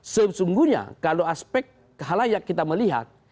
sesungguhnya kalau aspek halayak kita melihat